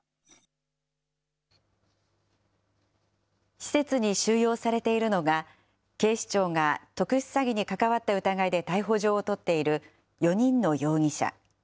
施設に収容されているのが、警視庁が特殊詐欺に関わった疑いで逮捕状を取っている４人の容疑者。